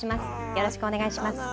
よろしくお願いします